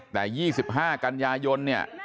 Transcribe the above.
แต่๒๕กันยายนเนี่ย